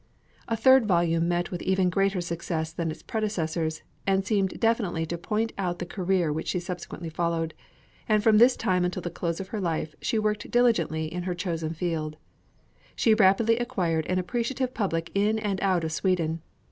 A third volume met with even greater success than its predecessors, and seemed definitely to point out the career which she subsequently followed; and from this time until the close of her life she worked diligently in her chosen field. She rapidly acquired an appreciative public in and out of Sweden.